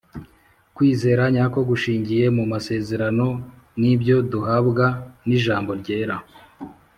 . Kwizera nyako gushingiye mu masezerano n’ibyo duhabwa n’ijambo ryera.